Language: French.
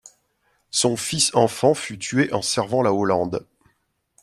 Son fils enfant fut tué en servant la Hollande.